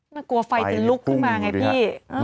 มันกลัวไฟจะลุกขึ้นมาไงพี่